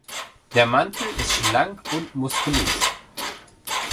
Der Mantel ist schlank und muskulös.